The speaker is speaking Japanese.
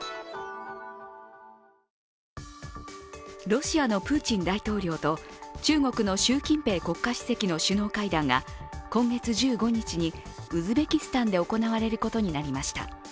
ロシアのプーチン大統領と中国の習近平国家主席の首脳会談が今月１５日にウズベキスタンで行われることになりました。